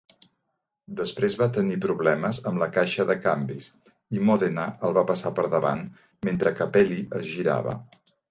Després va tenir problemes amb la caixa de canvis i Modena el va passar per davant mentre Capelli es girava.